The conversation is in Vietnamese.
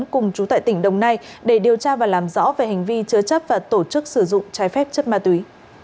cùng chú tại tỉnh đồng nai để điều tra và làm rõ về hành vi chứa chấp và tổ chức sử dụng trái phép chất ma túy